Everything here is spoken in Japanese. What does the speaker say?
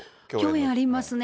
共演ありますね。